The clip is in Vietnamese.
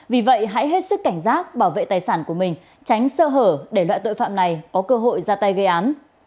vì vậy hãy hết sức cảnh giác bảo vệ tài sản của mình tránh sơ hở để loại tội phạm này có cơ hội ra tay gây án